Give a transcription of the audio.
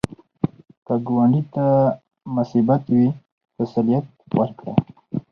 که ګاونډي ته مصیبت وي، تسلیت ورکړه